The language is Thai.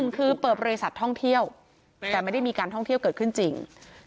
คือเปิดบริษัทท่องเที่ยวแต่ไม่ได้มีการท่องเที่ยวเกิดขึ้นจริง